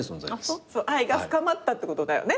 愛が深まったってことだよね。